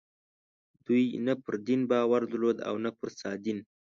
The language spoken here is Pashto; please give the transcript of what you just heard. دوی نه پر دین باور درلود او نه پر سادین.